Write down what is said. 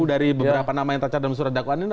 dari beberapa nama yang tercatat dalam surat dakwaan ini